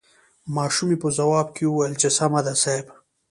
ماشومې په ځواب کې وويل چې سمه ده صاحب.